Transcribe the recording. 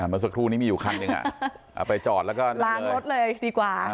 เมื่อสักครู่นี้มีอยู่คันหนึ่งเอาไปจอดแล้วก็ล้างรถเลยดีกว่า